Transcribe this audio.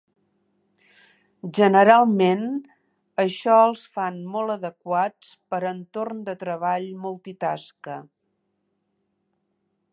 Generalment, això els fan molt adequats per a entorn de treball multitasca.